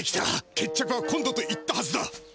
決着は今度と言ったはずだ。